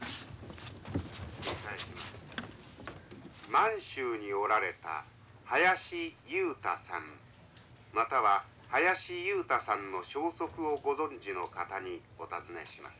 「満州におられた林雄太さんまたは林雄太さんの消息をご存じの方にお尋ねします。